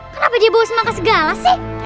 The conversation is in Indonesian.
kenapa dia bawa semangka segala sih